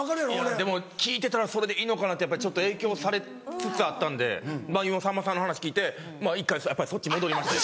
でも聞いてたらそれでいいのかなって影響されつつあったんで今さんまさんの話聞いて１回そっち戻りました。